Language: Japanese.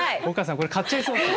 これ買っちゃいそう。